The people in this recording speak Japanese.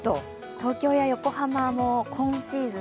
東京や横浜も今シーズン